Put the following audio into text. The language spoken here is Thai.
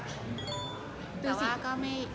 ควรติดตามที่สมโทรศัพท์จอมหนุ่มเดือด